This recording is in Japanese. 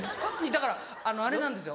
だからあれなんですよ。